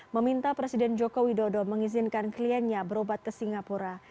meminta presiden joko widodo mengizinkan kliennya berobat ke singapura